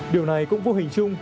điều này cũng vô hình chung